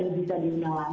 dan juga membawa kebanggaan